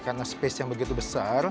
karena space yang begitu besar